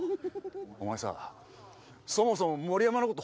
お前さそもそも盛山のこと